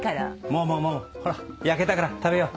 もうもうもうほら焼けたから食べよう。